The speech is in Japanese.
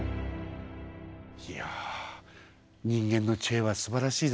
いや人間の知恵はすばらしいですね。